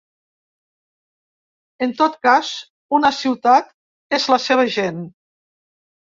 En tot cas, una ciutat és la seva gent.